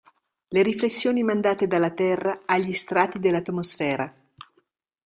Le riflessioni mandate dalla Terra agli strati dell'atmosfera.